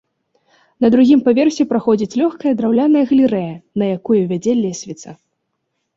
На другім паверсе праходзіць лёгкая драўляная галерэя, на якую вядзе лесвіца.